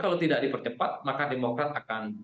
kalau tidak dipercepat maka demokrat akan